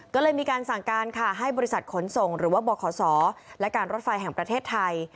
ก็เลยมีการสั่งการค่ะให้บริษัทขนส่งหรือว่าบขศและการรถไฟแห่งประเทศไทย